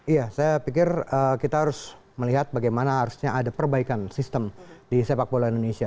iya saya pikir kita harus melihat bagaimana harusnya ada perbaikan sistem di sepak bola indonesia